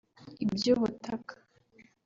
iby’ubutaka